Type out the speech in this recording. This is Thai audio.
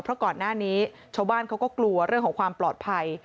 เพราะก่อนหน้านี้ชาวบ้านเขาก็กลัวเรื่องของความปลอดภัย